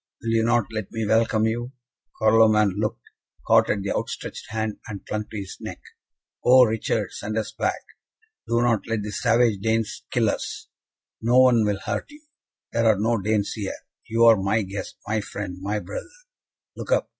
Will you not let me welcome you?" Carloman looked, caught at the outstretched hand, and clung to his neck. "Oh, Richard, send us back! Do not let the savage Danes kill us!" "No one will hurt you. There are no Danes here. You are my guest, my friend, my brother. Look up!